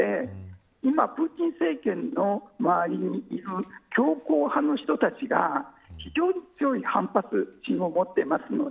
今プーチン政権の強硬派の人たちが非常に強い反発を受けています。